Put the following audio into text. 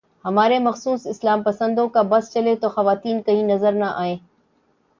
ہمارے مخصوص اسلام پسندوں کا بس چلے تو خواتین کہیں نظر ہی نہ آئیں۔